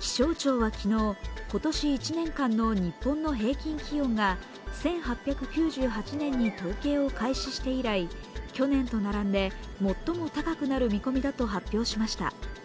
気象庁は昨日、今年１年間の日本の平均気温が１８９８年に統計を開始して以来、去年と並んで最も高くなる見込みだと発表しました。